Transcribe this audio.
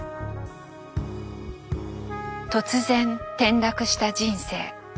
突然転落した人生。